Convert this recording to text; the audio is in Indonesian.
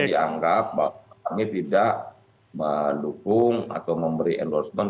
supaya dianggap ini tidak mendukung atau memberi endorsement